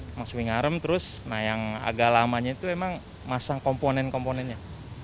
sama swing arm terus nah yang agak lamanya itu memang masang komponen komponennya